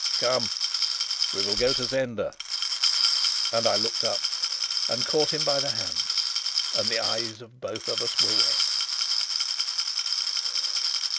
Come, we will go to Zenda!" And I looked up and caught him by the hand. And the eyes of both of us were wet.